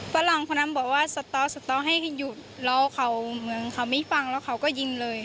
พระหลังคนนั้นบอกว่าสตให้หยุดรอเขาเหมือนเขาไม่ฟังแล้วเขาก็ยิงเลย